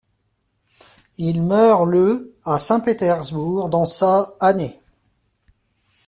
Il meurt le à Saint-Pétersbourg dans sa année.